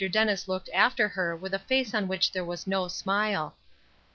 Dennis looked after her with a face on which there was no smile.